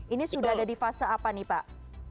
ini sudah ada di fase apa nih pak